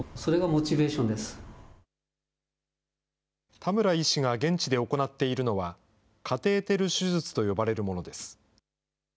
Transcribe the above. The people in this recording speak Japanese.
田村医師が現地で行っているのは、カテーテル手術と呼ばれるものです。